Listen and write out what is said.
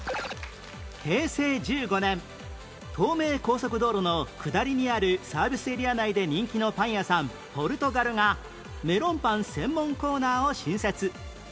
平成１５年東名高速道路の下りにあるサービスエリア内で人気のパン屋さん「ぽるとがる」がメロンパン専門コーナーを新設